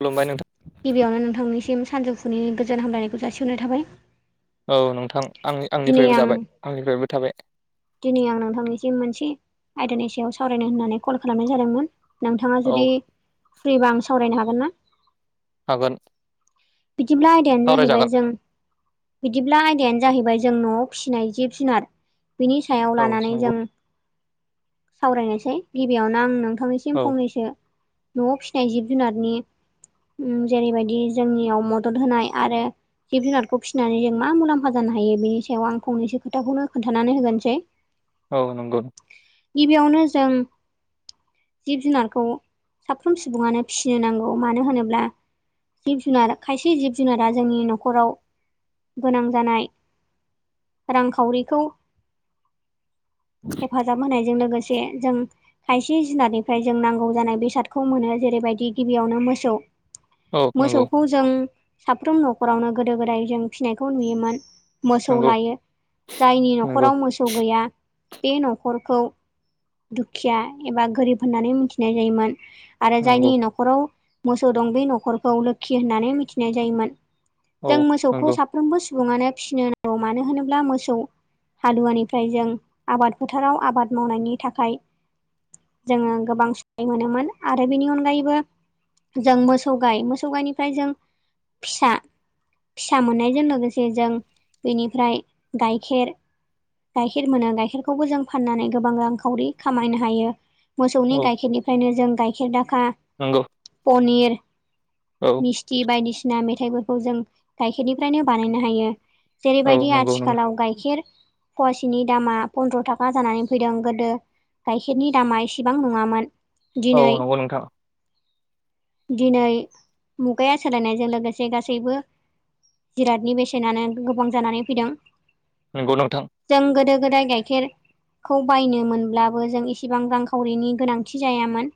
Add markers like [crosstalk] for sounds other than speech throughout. खलुमबाय नोंथां गिबियावनो नोंथांनिसिम सानजौफुनि गोजोन हामलायनायखौ जासिहरनाय थाबाय औ नोंथां आंनि दिनै आंनिफ्रायबो आं जाबाय आंनिफ्रायबो थाबाय दिनै आं नोंथांनिसिम मोनसे आयदानि सायाव सावरायनो होननानै कल खालामनाय जादोंमोन नोंथाङा औ जुदि फ्रिबा आं सावरायनो हागोन ना हागोन बिदिब्ला आयदायानो जाहैबाय सावरायजागोन जों बिदिब्ला आयदायानो जाहैबाय जों न'आव फिसिनाय जिब जुनार बिनि सायाव औ लानानै नंगौ जों सावरायनोसै गिबियावनो आं नोंथांनि सिम औ फंनैसो न'आव फिसिनाय जिब जुनारनि जेरैबायदि जोंनियाव मदद होनाय आरो जिब जुनारखौ फिसिनानै जों मा मुलाम्फा जानो हायो बेनि सायाव आं फंनैसो खोथाखौनो खोन्थानानै होगोनोसै [inaudible] औ नंगौ गिबियावनो जों जिब जुनारखौ साफ्रोम सुबुङानो फिसिनो नांगौ मानो होनोब्ला जिब जुनार खायसे जिब जुनारा जोंनि न'खराव गोनां जानाय रांखावरिखौ हेफाजाब होनायजों लोगोसे से जों खायसे जुनारनिफ्राय जों नांगौ जानाय बेसादखौ मोनो जेरैबायदि गिबियावनो मोसौ औ नंगौ मोसौखौ जों साफ्रोम न'खरावनो गोदो गोदाय जों फिसिनायखौ नुयोमोन मोसौ नंगौ लायो जायनि नंगौ न'खराव मोसौ गैया बे न'खरखौ दुखिया एबा गोरिब होननानै मिथिनाय जायोमोन आरो जायनि नंगौ न'खराव मोसौ दं बे न'खरखौ लोखि होननानै मिथिनाय जायोमोन औ जों मोसौखौ नंगौ साफ्रोमबो सुबुङानो फिसिनो नांगौ मानो होनोब्ला मोसौ हालुवानिफ्राय जों आबाद फोथाराव आबाद मावनायनि थाखाय जोङो गोबां साय मोनोमोन आरो बेनि अनगायैबो जों मोसौ गाय मोसौ गायनिफ्राय जों फिसा फिसा मोननायजों लोगोसे जों बेनिफ्राय गाइखेर गाइखेर मोनो गाइखेरखौबो जों फाननानै गोबां रांखावरि खामायनो हायो मोसौनि औ गाइखेरनिफ्रायनो जों गाइखेर दाखा नंगौ पनिर औ खस्थि बायदिसिना मेथाइफोरखौ जों गाइखेरनिफ्रायनो बानायनो हायो औ जेरैबायदि नंगौ नंगौ आथिखालाव गाइखेर फवासेनि दामा पन्द्र' थाखा जानानै फैदों गोदो गाइखेरनि दामा इसेबां नङामोन औ दिनै नंगौ नोंथां दिनै मुगाया सोलायनायजों लोगोसे गासैबो जिरादनि बेसेनानो गोबां जानानै फैदों नोंगौ नोंथां जों गोदो गोदाय गाइखेर खौ बायनो मोनब्लाबो जों इसेबां रांखावरिनि गोनांथि जायामोन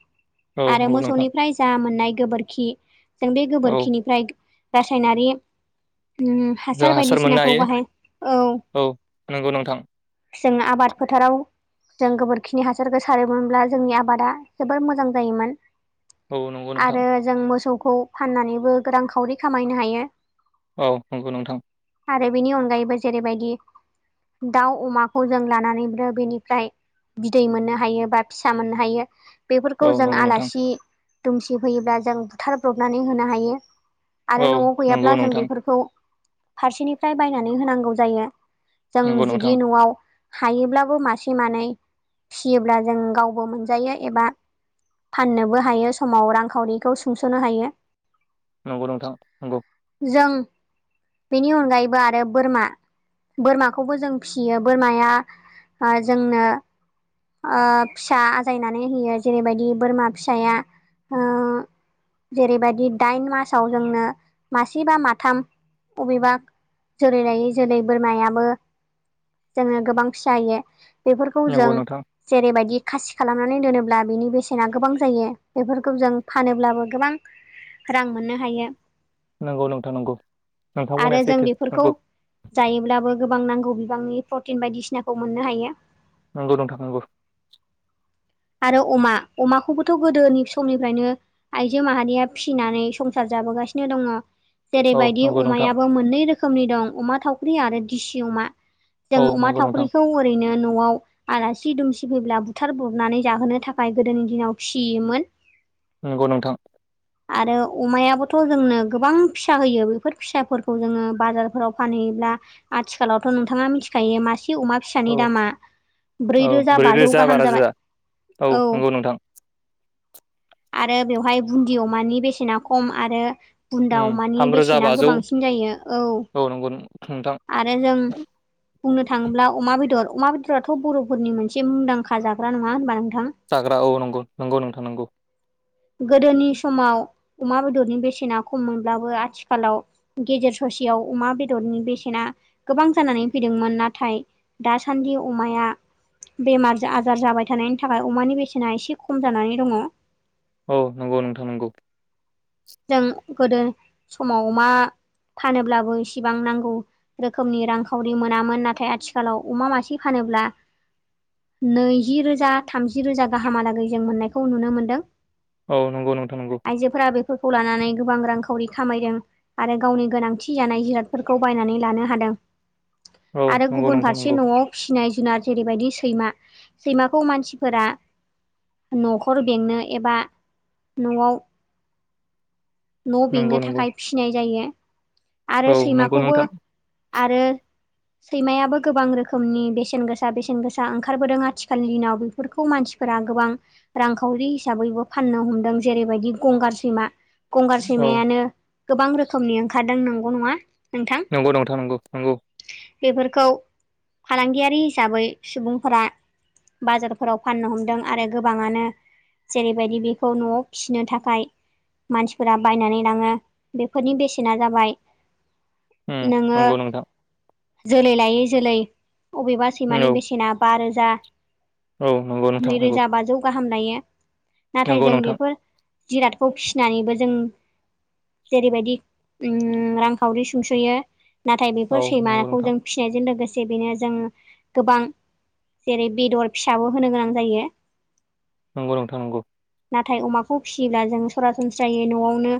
औ आरो नंगौ नोंथां मोसौनिफ्राय जा मोननाय गोबोरखि जों बे औ गोबोरखिनिफ्राय रासायनारि जों हासार मोननो बायदिसिनाखौ हायो बाहाय औ नंगौ नोंथां जों आबाद फोथाराव जों गोबोरखिनि हासारखौ सारोमोनब्ला जोंनि आबादा जोबोर मोजां जायोमोन। औ नंगौ नोंथां आरो जों मोसौखौ फाननानैबो गोरां खावरि खामायनो हायो। औ नंगौ नोंथां। आरो बेनि अनगायैबो जेरैबायदि दाउ अमाखौ जों लानानै ब्रो बेनिफ्राय बिदै मोननो हायो बा फिसा मोननो हायो। बेफोरखौ औ जों नंगौ नोंथां आलासि दुमसि फैयोब्ला जों बुथारब्रबनानै होनो हायो। आरो औ न'आव गैयाब्ला नंगौ जों नोंथां बेफोरखौ फारसेनिफ्राय बायनानै होनांगौ जायो जों नंगौ नोंथां जुदि न'आव हायोब्लाबो मासे मानै फियोब्ला जों गावबो मोनजायो एबा फाननोबो हायो समाव रांखावरिखौ सुंस'नो हायो। नंगौ नोंथां नंगौ। जों बेनि अनगायैबो आरो बोरमा। बोरमाखौबो जों फिसियो बोरमाया जोंनो फिसा आजायनानै होयो जेरैबायदि बोरमा फिसाया ओ जेरैबायदि दाइन मासाव जोंनो मासे बा माथाम अबेबा जुरै लाय जोलै बोरमायाबो जोङो गोबां फिसायो। बेफोरखौ जों नंगौ नोंथां जेरैबायदि खासि खालामनानै दोनोब्ला बिनि बेसेना गोबां जायो बेफोरखौ जों फानोब्लाबो गोबां रां मोननो हायो। नंगौ नंगौ नोंथां नंगौ नोंथां आरो बुंनाया जों सैथो बेफोरखौ नंगौ जायोब्लाबो गोबां नांगौ बिबांनि प्रटिन बायदिसिनाखौ मोननो हायो। नंगौ नोंथां नंगौ। आरो अमा अमाखौबोथ' गोदोनि समनिफ्रायनो आइजो माहारिया फिसिनानै संसार जाबोगासिनो दंङो। औ जेरैबायदि नंगौ नोंथां अमायाबो मोननै रोखोमनि दं अमा थावख्रि आरो दिसि अमा। औ जों अमा नंगौ नोंथां थावख्रिखौ ओरैनो न'आव आलासि दुमसि फैब्ला बुथार बबनानै जाहोनो थाखाय गोदोनि दिनाव फिसियोमोन। नंगौ नोंथां। [inaudible] आरो अमायाबोथ' जोंनो गोबां फिसा होयो बेफोर फिसाफोरखौ जोंङो बाजारफोराव फानहैयोब्ला आथिखालावथ' नोंथांङा मिथिखायो मासे अमा औ फिसानि दामा औ ब्रैरोजा ब्रै बाजौ रोजा बा गाहाम जाबाय। रोजा औ नंगौ नोंथां। आरो बेवहाय बुन्दि अमानि बेसेना खम आरो बुन्दाव मानि थामरोजा बेसेना बाजौ गोबांसिन जायो औ नंगौ नोंथां आरो जों बुंनो थाङोब्ला अमा बेदर अमा बेदराथ' बर'फोरनि मोनसे मुंदांखा जाग्रा नंङा होनबा नोंथां? जाग्रा औ नंगौ नंगौ नोंथां नंगौ। गोदोनि समाव अमा बेदरनि बेसेना खम मोनब्लाबो आथिखालाव गेजेर ससेयाव अमा बेदरनि बेसेना गोबां जानानै फैदोंमोन नाथाय दासान्दि अमाया बेमार आजार जाबाय थानायनि थाखाय अमानि बेसेना एसे खम जानानै दङ। औ नंगौ नोंथां नंगौ। जों गोदो समाव मा फानोब्लाबो इसेबां नांगौ रोखोमनि रांखावरि मोनामोन नाथाय आथिखालाव अमा मासे फानोब्ला नैजि रोजा थामजि रोजा गाहामहालागै जों मोननायखौ नुनो मोनदों। औ नंगौ नोंथां नंगौ। आइजोफोरा बेफोरखौ लानानै गोबां रांखावरि खामायदों। आरो गावनि गोनांथि जानाय जिरादफोरखौ बायनानै लानो हादों औ आरो नंगौ गुबुन नोंथां फारसे नंगौ एसे न'आव फिसिनाय जुनार जेरैबायदि सैमा सैमाखौ मानसिफोरा न'खर बेंनो एबा न'आव न' नंगौ बेंनो नंगौ थाखाय फिसिनाय जायो आरो औ नंगौ सैमाखौबो नोंथां आरो। सैमायाबो गोबां रोखोमनि बेसेन गोसा बेसेन गोसा ओंखारबोदों आथिखालनि दिनाव। मानसिफोरा गोबां रांखावरि हिसाबैबो फाननो हमदों जेरैबायदि गंगार सैमा गंगार औ सैमायानो गोबां रोखोमनि ओंखारदों नंगौ नङा। नोंथां नंगौ नोंथां नंगौ नंगौ। बेफोरखौ फालांगियारि हिसाबै सुबुंफोरा बाजारफोराव फाननो हमदों आरो गोबाङानो जेरैबायदि बेखौ न'आव फिसिनो थाखाय मानसिफोरा बायनानै लाङो बेफोरनि बेसेना जाबाय। उम नोङो नंगौ नोंथां जोलै लायै जोलै अबेबा औ सैमानि बेसेना बा रोजा औ नंगौ नै नोंथां नंगौ रोजा बाजौ गाहाम नायो। नाथाय नंगौ जों नोंथां बेफोर जिरादखौ फिसिनानैबो जों जेरैबायदि रांखावरि सुंसोयो नाथाय औ बेफोर नंगौ सैमाखौ नोंथां जों फिसिनायजों लोगोसे बेनो जोङो गोबां जेरै बेदर फिसाबो होनो गोनां जायो। नंगौ नोंथांनांगौ। नाथाय अमाखौ फिसियोब्ला जों सरासनस्रायै न'आवनो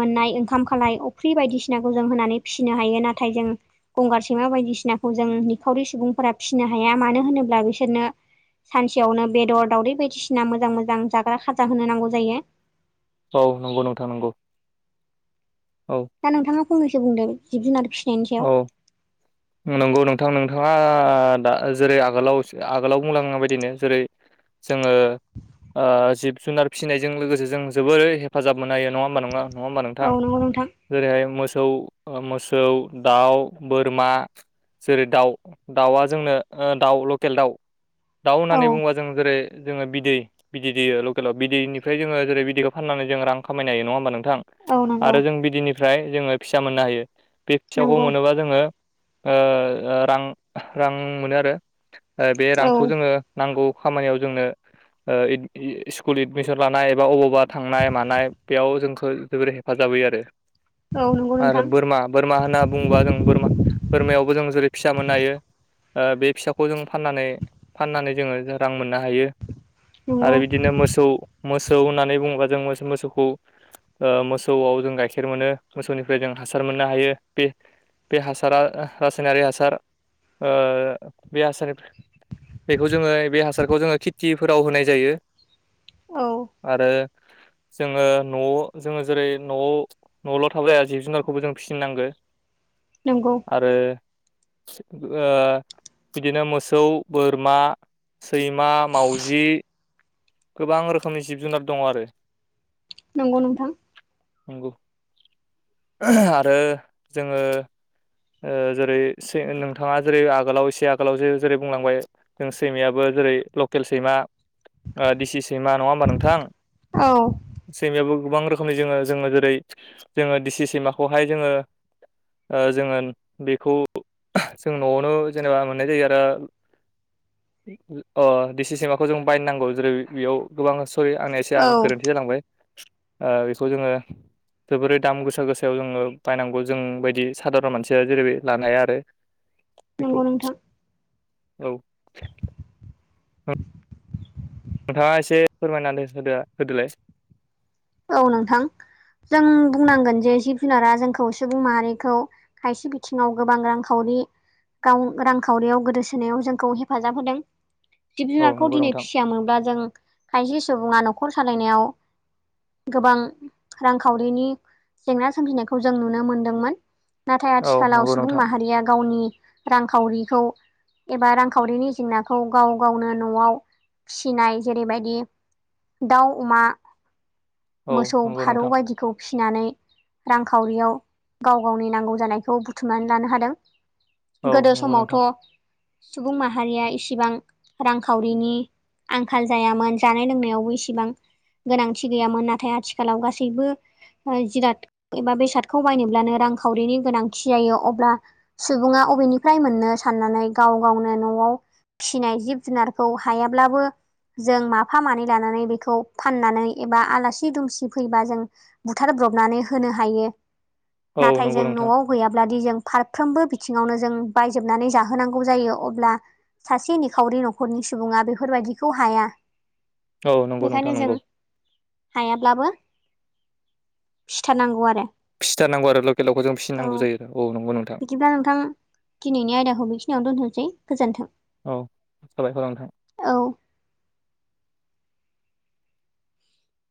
मोननाय ओंखाम खालाय अफ्रि बायदिसिनाखौ जों होनानै फिसिनो हायो नाथाय जों गंगार सैमा बायदिसिनाखौ जों निखावरि सुबुंफोरा फिसिनो हाया मानो होनोब्ला बिसोरनो सानसेयावनो बेदर दाउदै बायदिसिना मोजां मोजां जाग्रा खाजा होनो नांगौ जायो। औ नंगौ नोंथां नंगौ। औ। दा नोंथाङा फंनैसो बुंदों जिब जुनार फिसिनायनि औ सायाव नंगौ नोंथां नोंथाङा दा जेरै आगोलाव आगोलाव बुंलांनाय बायदिनो जेरै- जोङो। जिब जुनार फिसिनायजों लोगोसे जों जोबोरै हेफाजाब मोननो हायो नङा होमबा नङा? नङा होमबा नोंथां औ नंगौ नोंथां जेरैहाय मोसौ मोसौ। दाउ बोरमा, जेरै दाउ दाउआ जोंनो दाउ लकेल दाउ दाउ औ होननानै बुङोबा। जों जेरै जोङो बिदै बिदि दै लकेलाव बिनिफ्राय जोङो जेरै बिदै खौ फाननानै जों रां खामनो हायो नङा होनबा नोंथां? औ थां नंगौ आरो जों बिदिनिफ्राय जोङो फिसा मोननो हायो। बे फिसाखौ नंगौ मोनोबा जोङो रां रां मोनो आरो। बे औ रांखौ जोङो नांगौ खामानियाव जोंनो स्कुल एडमिसन लानाय एबा अबावबा थांनाय मानाय बेयाव जोंखौ जोबोर हेफाजाब होयो आरो। [inaudible] नंगौ आरो नोंथां बोरमा बोरमा होनना बुङोबा जों बोरमा बोरमायावबो जों जेरै फिसा मोननो हायो। बे फिसाखौ जों फाननानै फाननानै जोङो रां मोननो हायो। नंगौ आरो बिदिनो मोसौ मोसौ होननानै बुङोबा जों मो मोसौखौ। मोसौआव जों गाइखेर मोनो मोसौनिफ्राय जों हासार मोननो हायो। बे बे हासारा रासायनारि हासार बे हासारनिफ्राय बेखौ जोङो बे हासारखौ जोङो खेथिफोराव होनाय जायो। औ। आरो। जोङो न'आव जोङो जेरै न'आव न'ल' थाबाया जिब जुनारखौबो जों फिसिनांगो‌। नोंगौ। आरो बिदिनो मोसौ, बोरमा, सैमा मावजि गोबां रोखोमनि जिब जुनार दङ आरो नंगौ नोंथां नोंगौ [unintelligible] आरो जोङो ओ जेरै से नोंथाङा जेरै आगोलाव एसे आगोलाव जे-जेरै बुंलांबाय जों सैमायाबो जेरै लकेल सैमा ओ डिसि सैमा नङा होमबा नोंथां औ सैमायावो गोबां रोखोमनि जोङो जोङो जेरै जोङो डिसि सैमाखौहाय जोङो ओ जोङो बेखौ जों न'आवनो जेनेबा मोननाय जायो आरो अ डिसि सैमाखौ जों बायनो नांगौ जेरै बेयाव गोबां सरि आंनिया एसे औ गोरोन्थि जालांबाय ओ बेखौ जोङो जोबोरै दाम गोसा गोसायाव जोङो बायनांगौ जों बायदि साधारन मानसिया जेरैबाय लानो हाया आरो बेखौ नंगौ नोंथां औ नोंथाङा एसे फोरमायनानै होदो होदोलाय औ नोंथां जों बुंनांगोन जे जिब जुनारा जोंखौ सुबुं माहारिखौ खायसे बिथिङाव गोबां रांखावरि गाव रांखावरियाव गोदोसोनायाव जोंखौ हेफाजाब होदों जिब औ जुनारखौ नंगौ दिनै नोंथां फिसियामोनब्ला जों खायसे सुबुङा नखर सालायनायाव गोबां रांखावरिनि जेंना सोमजिनायखौ जों नुनो मोनदोंमोन नाथाय औ आथिखालाव नंगौ सुबुं नोंथां माहारिया गावनि रांखावरिखौ एबा रांखावरिनि जेंनाखौ गाव गावनो न'आव फिसिनाय जेरैबायदि दाउ अमा औ मोसौ नंगौ फारौ नोंथां बायदिखौ फिनानै रांखावरियाव गाव गावनि नांगौ जानायखौ बुथुमनानै लानो हादों औ गोदो नंगौ नोंथां समावथ' सुबुं माहारिया इसिबां रांखावरिनि आंखाल जायामोन जानाय लोंनायावबो इसेबां गोनांथि गैयामोन नाथाय आथिखालाव गासैबो ओ जिराद एबा बेसादखौ बायनोब्लानो रांखावरिनि गोनांथि जायो अब्ला सुबुङा अबेनिफ्राय मोननो साननानै गाव गावनो न'आव फिसिनाय जिब जुनारखौ हायाब्लाबो जों माफा मानै लानानै बेखौ फाननानै एबा आलासि दुमसि फैबा जों बुथारब्रबनानै होनो हायो औ नाथाय जों नंगौ नोंथां न'आव गैयाब्लादि जों फारफ्रोमबो बिथिङावनो जों बायजोबनानै जाहोनांगौ जायो अब्ला सासे निखावरि नखरनि सुबुङा बेफोरबायदिखौ हाया औ नंगौ बेखायनो नोंथां जों नंगौ हायाब्लाबो फिथारनांगौ आरो फिथारनांगौ आरो लकेल दावखौ जों फिसिनांगौ जायो औ नंगौ नोंथां बिदिबा नोंथां दिनैनि आयदाखौ बेखिनियाव दोनथ'सै गोजोन्थों औ साबायखर नोंथां औ